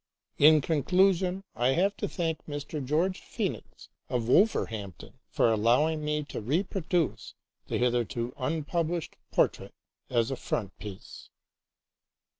In conclusion, I have to thank Mr. George Phoenix, of Wolverhampton, for allowing me to reproduce the hitherto unpublished portrait as a frontispiece.